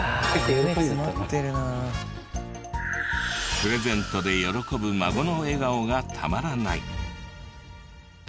プレゼントで喜ぶ孫の笑顔がたまらない。